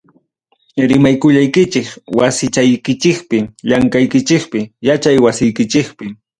Rimaykullaykichik wasichaykichikpi, llamkaykichikpi, yachay wasiykichikpi.